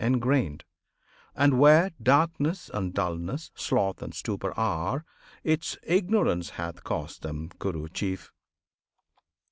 engrained; and where Darkness and dulness, sloth and stupor are, 'Tis Ignorance hath caused them, Kuru Chief!